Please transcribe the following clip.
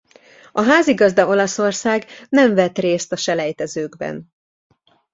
A házigazda Olaszország nem vett részt a selejtezőkben.